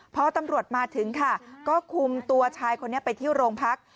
พอตำรวจมาถึงค่ะก็คุมตัวชายคนนี้ไปที่โรงพัก